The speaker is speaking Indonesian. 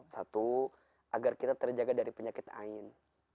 satu agar kita terjaga dari penyakit ain